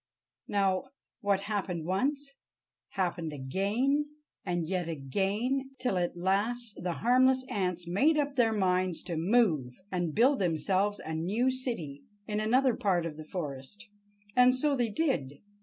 Now, what happened once, happened again, and yet again, till at last the harmless ants made up their minds to move and build themselves a new city in another part of the forest. And so they did.